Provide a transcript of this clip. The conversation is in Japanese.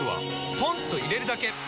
ポンと入れるだけ！